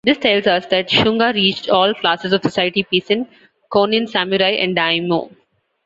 This tells us that shunga reached all classes of society-peasant, chonin, samurai and daimyo.